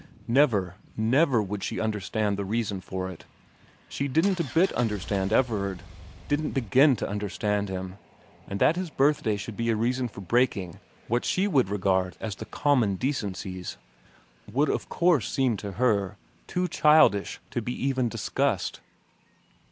Never, never would she understand the reason for it. She didn't a bit understand Everard, didn't begin to understand him, and that his birthday should be a reason for breaking what she would regard as the common xn VERA 137 decencies would of course only seem to her too childish to be even discussed.